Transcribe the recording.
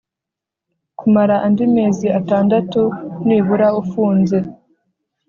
kumara andi mezi atandatu nibura ufunze